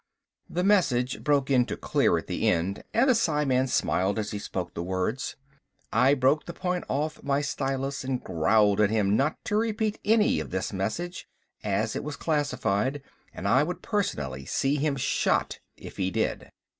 The message broke into clear at the end and the psiman smiled as he spoke the words. I broke the point off my stylus and growled at him not to repeat any of this message, as it was classified, and I would personally see him shot if he did.